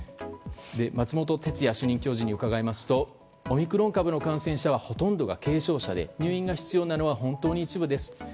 松本哲哉主任教授に伺いますとオミクロン株の感染者はほとんどが軽症者で入院が必要なのは本当に一部です。